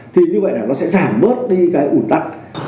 thì như vậy là nó sẽ giảm bớt đi cái ủn tắc